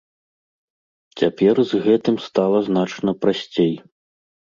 Цяпер з гэтым стала значна прасцей.